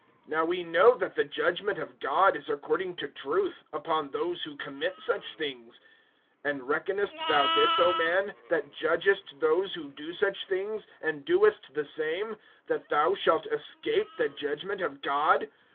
(2)Now we know that the judgment of God is according to truth, upon those who commit such things. (3)And reckonest thou this, O man, that judgest those who do such things, and doest the same, that thou shalt escape the judgment of God?